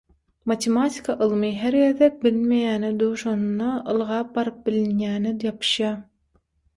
Matematika ylmy her gezek bilinmeýäne duşanynda ylgap baryp bilinýäne ýapyşýar.